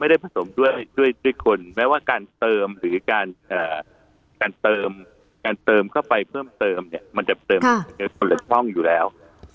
ไม่ได้ผสมด้วยคนแม้ว่าการเติมหรือการเติมเข้าไปเพิ่มเติมมันจะเติมตรงอยู่แล้ว